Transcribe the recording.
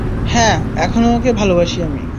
হ্যাঁ, এখনও ওকে ভালোবাসি আমি!